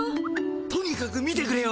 とにかく見てくれよ。